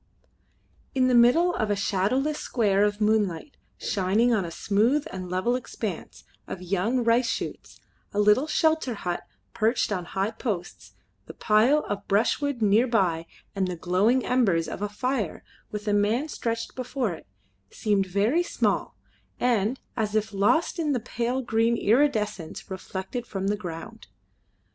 In the middle of a shadowless square of moonlight, shining on a smooth and level expanse of young rice shoots, a little shelter hut perched on high posts, the pile of brushwood near by and the glowing embers of a fire with a man stretched before it, seemed very small and as if lost in the pale green iridescence reflected from the ground.